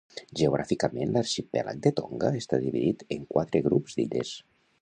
Geogràficament l'arxipèlag de Tonga està dividit en quatre grups d'illes.